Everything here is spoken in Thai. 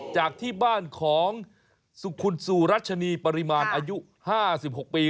จากที่บ้านของสุขุลสู่รัชนีปริมาณอายุ๕๖ปี